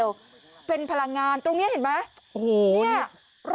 โซล่าเซลล์เป็นพลังงานตรงนี้เห็นไหม